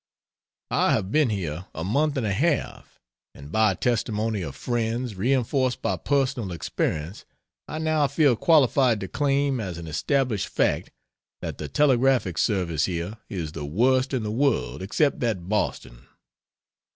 I have been here a month and a half, and by testimony of friends, reinforced by personal experience I now feel qualified to claim as an established fact that the telegraphic service here is the worst in the world except that Boston.